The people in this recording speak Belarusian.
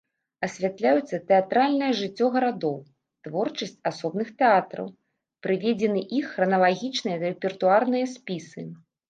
Асвятляюцца тэатральнае жыццё гарадоў, творчасць асобных тэатраў, прыведзены іх храналагічныя рэпертуарныя спісы.